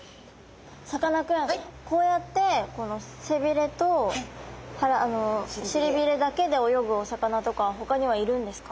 さかなクンこうやって背びれとしりびれだけで泳ぐお魚とかは他にはいるんですか？